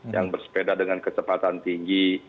yang bersepeda dengan kecepatan tinggi